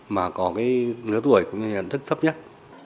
mà có lứa tuổi cũng như là thức thấp nhất